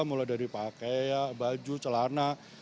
mulai dari pakaian baju celana seperti itu